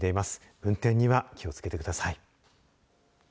運転には気をつけてください。